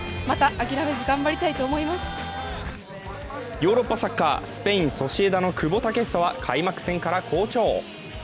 ヨーロッパサッカー、スペイン・ソシエダの久保建英は開幕戦から好調。